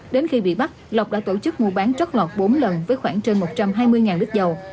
đến khi bị bắt lộc đã tổ chức mua bán chót lọt bốn lần với khoảng trên một trăm hai mươi lít dầu